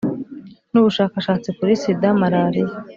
n Ubushakashatsi kuri Sida Malariya